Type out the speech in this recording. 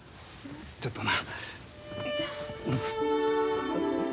ちょっとな。